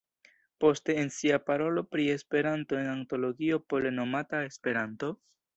Poste en sia parolo pri Esperanto en antologio pole nomata "Esperanto?